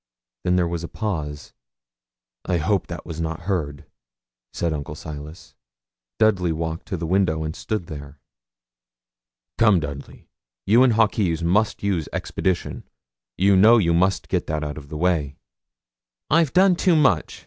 Then there was a pause. 'I hope that was not heard,' said Uncle Silas. Dudley walked to the window and stood there. 'Come, Dudley, you and Hawkes must use expedition. You know you must get that out of the way.' 'I've done too much.